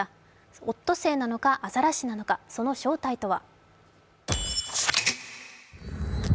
オットセイなのか、アザラシなのかその正体とは。